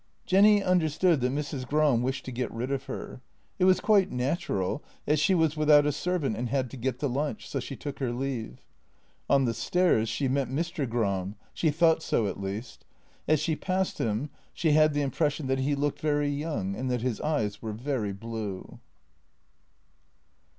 Jenny understood that Mrs. Gram wished to get rid of her — it was quite natural, as she was without a servant and had to get the lunch — so she took her leave. On the stairs she met Mr. Gram — she thought so at least. As she passed him she had the impression that he looked very young and that his eyes were very blue.